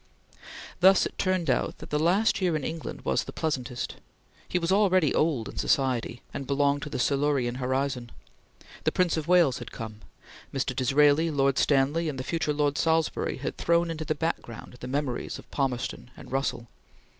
Thus it turned out that the last year in England was the pleasantest. He was already old in society, and belonged to the Silurian horizon. The Prince of Wales had come. Mr. Disraeli, Lord Stanley, and the future Lord Salisbury had thrown into the background the memories of Palmerston and Russell.